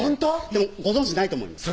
でもご存じないと思います